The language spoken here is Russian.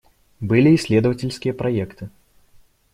Были исследовательские проекты.